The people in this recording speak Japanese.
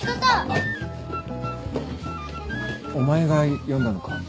あっお前が呼んだのか？